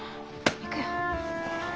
行くよ。